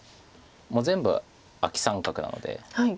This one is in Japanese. もう全部アキ三角なので。